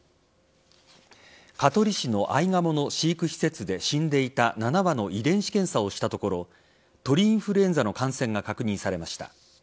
香取市のアイガモの飼育施設で死んでいた７羽の遺伝子検査をしたところ鳥インフルエンザの感染が確認されました。